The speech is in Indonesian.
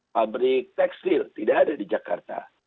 pabrik tekstil tidak ada di jakarta